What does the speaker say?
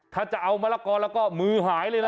ถ้าจะเอามะละกอแล้วก็มือหายเลยนะ